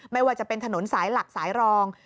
ไม่ว่าจะเป็นถนนสายหลักสายรอง